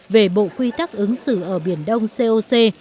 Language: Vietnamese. về bộ quy tắc ứng xử ở biển đông coc